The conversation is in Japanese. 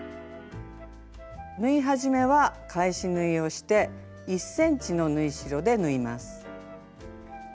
縫い始めは返し縫いをして１ｃｍの縫い代で縫います。